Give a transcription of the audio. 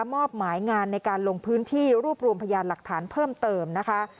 มอบหมายงานในการลงพื้นที่รวบรวมพยานหลักฐานเพิ่มเติมนะคะ